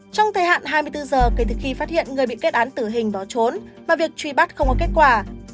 trong thời hạn hai mươi bốn h kể từ khi phát hiện người bị kết án tử hình bỏ trốn mà việc trùy bắt không có kết quả